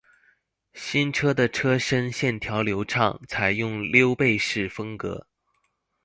新车的车身线条流畅，采用溜背式风格